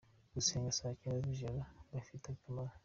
Gusenga saa cyenda z’ijoro bifite akamaro.